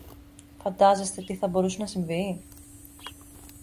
Φαντάζεστε τι θα μπορούσε να συμβεί;